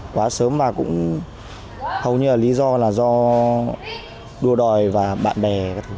quá sớm mà cũng hầu như là lý do là do đua đòi và bạn bè